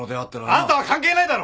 あんたは関係ないだろ！